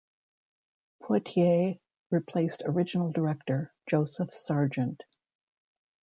Poitier replaced original director, Joseph Sargent.